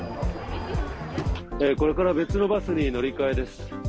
これから別のバスに乗り換えです。